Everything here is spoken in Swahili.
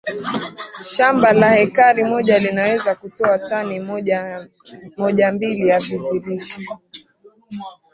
shamba la hekari moja linaweza kutoa tani mojambili ya vizi lishe